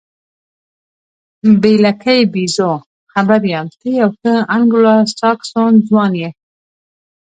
بې لکۍ بیزو، خبر یم، ته یو ښه انګلوساکسون ځوان یې.